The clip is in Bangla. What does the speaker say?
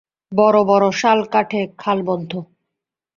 বড়ো বড়ো শাল কাঠে খাল বদ্ধ!